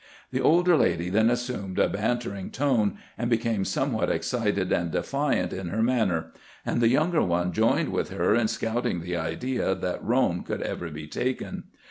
The older lady then assumed a bantering tone, and became somewhat excited and defiant in her manner ; and the younger one joined with her in scout ing the idea that Rome could ever be taken.